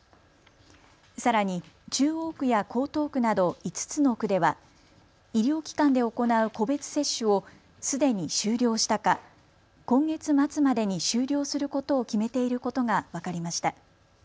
さらに中央区や江東区など５つの区では医療機関で行う個別接種をすでに終了したか、今月末までに終了することを決めていることが分かりました。